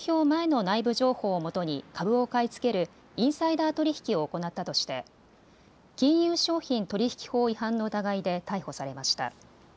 前の内部情報をもとに株を買い付けるインサイダー取引を行ったとして金融商品取引法違反の疑いで逮捕されました。